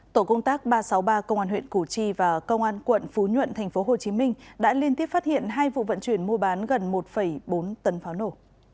tổ công tác ba trăm sáu mươi ba công an huyện củ chi và công an quận phú nhuận tp hcm đã liên tiếp phát hiện hai vụ vận chuyển mua bán gần một bốn tấn pháo nổ